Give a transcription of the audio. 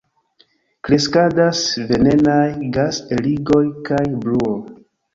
Kreskadas venenaj gas-eligoj kaj bruo.